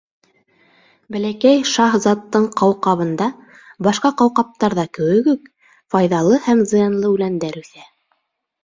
Бәләкәй шаһзаттың ҡауҡабында, башҡа ҡауҡабтарҙа кеүек үк, файҙалы һәм зыянлы үләндәр үҫә.